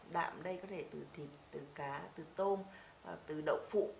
đạm đây có thể từ thịt từ cá từ tôm từ đậu phụ